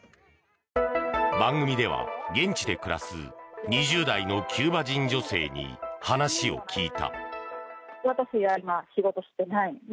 番組では現地で暮らす２０代のキューバ人女性に話を聞いた。